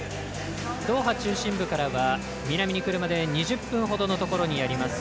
ドーハ中心部からは南に車で２０分ほどのところにあります。